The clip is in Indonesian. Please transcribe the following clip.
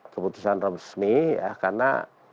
keputusan resmi ya karena